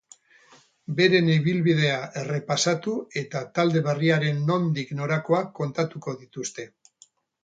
Beren ibilbidea errepasatu eta talde berriaren nondik norakoak kontatuko dituzte.